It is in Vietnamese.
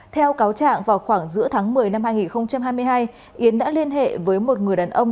theo cáo trạng vào khoảng giữa tháng một mươi năm hai nghìn hai mươi hai yến đã liên hệ với một người đàn ông